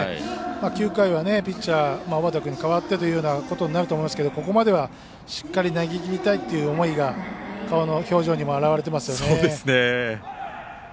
９回はピッチャー小畠君に代わってというようなことになると思いますけどしっかり投げきりたいっていう思いが顔の表情にも表れてますね。